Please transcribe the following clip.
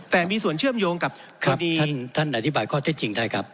แต่มีส่วนเชื่อมโยงกับคดีท่านอธิบายข้อเท็จจริงได้ครับ